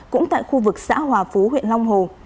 cũng tại khu vực xã hòa phú huyện long hồ